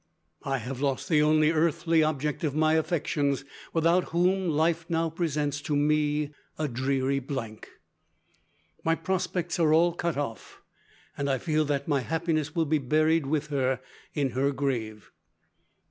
I have lost the only earthly object of my affections, without whom, life now presents to me a dreary blank. My prospects are all cut off, and I feel that my happiness will be buried with her in her grave.